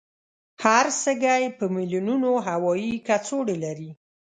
هر سږی په میلونونو هوایي کڅوړې لري.